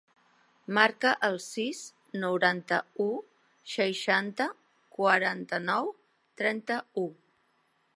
Marca el sis, noranta-u, seixanta, quaranta-nou, trenta-u.